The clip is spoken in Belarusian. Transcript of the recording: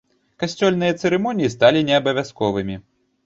Касцёльныя цырымоніі сталі не абавязковымі.